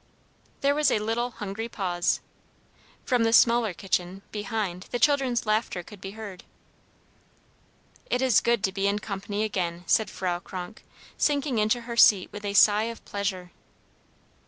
There was a little hungry pause. From the smaller kitchen, behind, the children's laughter could be heard. "It is good to be in company again," said Frau Kronk, sinking into her seat with a sigh of pleasure.